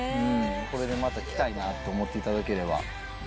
これでまた来たいなと思っていただければ。